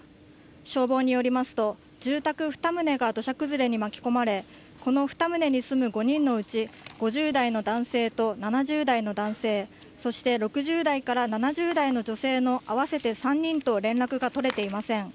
消防によりますと、住宅２棟が土砂崩れに巻き込まれ、この２棟に住む５人のうち、５０代の男性と７０代の男性、そして６０代から７０代の女性の合わせて３人と連絡が取れていません。